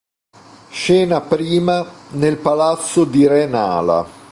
Scena prima Nel palazzo di re Nala.